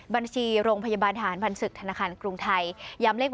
บัญชีโรงพยาบาลทหารผ่านศึกธนาคารกรุงไทย